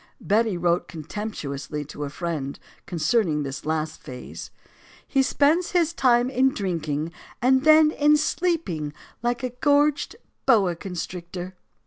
Betty wrote contemptuously to a friend, concerning this last phase: "He spends his time in drinking, and then in sleep ing like a gorged boa constrictor."